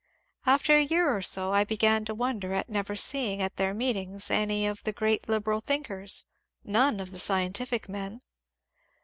After a year or so I began to wonder at never seeing at their meetings any of the great liberal thinkers, none of the scientific men.